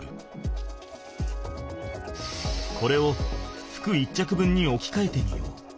これを服１着分におきかえてみよう。